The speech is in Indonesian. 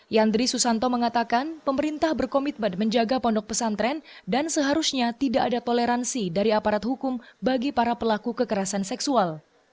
yandri susanto mengatakan pemerintah berkomitmen menjaga pondok pesantren dan seharusnya tidak ada toleransi dari aparat hukum bagi para pelaku kekerasan seksual